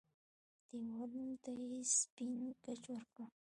دېوالونو ته يې سپين ګچ ورکړ.